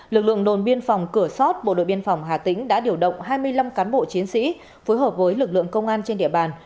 lực lượng đồn biên phòng cửa sót bộ đội biên phòng hà tĩnh đã điều động hai mươi năm cán bộ chiến sĩ phối hợp với lực lượng công an trên địa bàn